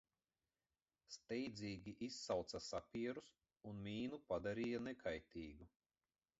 Steidzīgi izsauca sapierus un mīnu padarīja nekaitīgu.